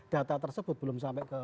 data tersebut belum sampai ke